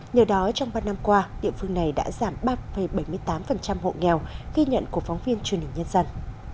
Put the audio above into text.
nhờ đó trong ba năm qua địa phương này đã giảm ba bảy mươi tám hộ nghèo ghi nhận của phóng viên truyền hình nhân dân